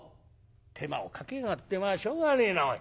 手間をかけやがってまあしょうがねえなおい。